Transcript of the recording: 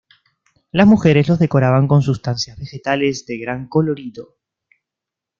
Las mujeres los decoraban con sustancias vegetales de gran colorido.